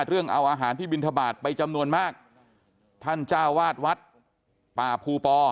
เรื่องเอาอาหารที่บินทบาทไปจำนวนมากท่านเจ้าวาดวัดป่าภูปอ